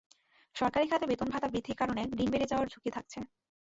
সরকারি খাতে বেতন ভাতা বৃদ্ধি করার কারণে ঋণ বেড়ে যাওয়ার ঝুঁকি থাকছে।